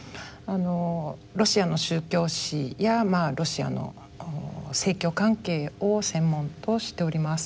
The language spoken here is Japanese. ロシアの宗教史やロシアの正教関係を専門としております。